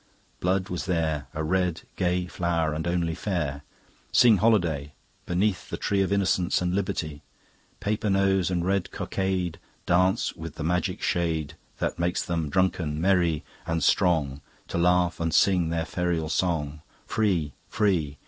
Blood was there A red gay flower and only fair. Sing Holiday! Beneath the Tree Of Innocence and Liberty, Paper Nose and Red Cockade Dance within the magic shade That makes them drunken, merry, and strong To laugh and sing their ferial song: 'Free, free...!